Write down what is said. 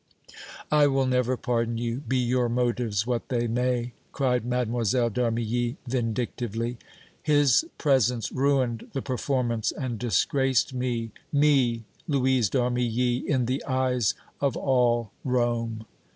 "I will never pardon you, be your motives what they may!" cried Mlle. d' Armilly, vindictively. "His presence ruined the performance and disgraced me, me, Louise d' Armilly, in the eyes of all Rome!"